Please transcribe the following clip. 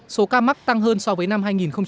số ca mắc tăng hơn so với năm hai nghìn một mươi tám